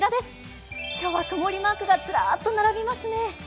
今日は曇りマークがずらっと並びますね。